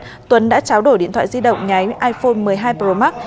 trước khi nhận tuấn đã tráo đổi điện thoại di động nhái iphone một mươi hai pro max